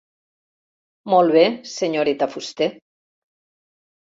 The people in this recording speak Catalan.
Molt bé, senyoreta Fuster.